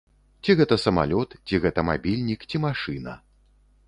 Ці гэта самалёт, ці гэта мабільнік, ці машына.